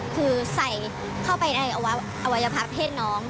คือใส่เข้าไปในอวัยวะเพศน้อง